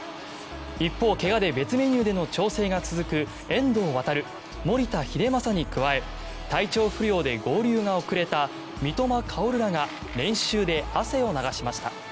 一方、怪我で別メニューでの調整が続く遠藤航、守田英正に加え体調不良で合流が遅れた三笘薫らが練習で汗を流しました。